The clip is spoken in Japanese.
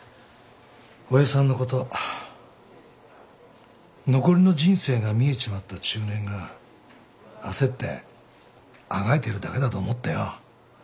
親父さんのこと残りの人生が見えちまった中年が焦ってあがいてるだけだと思ってよ